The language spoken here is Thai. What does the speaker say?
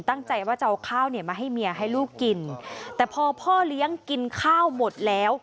ตั้งใจว่าจะเอาข้าวเนี่ยมาให้เมียให้ลูกกินแต่พอพ่อเลี้ยงกินข้าวหมดแล้ว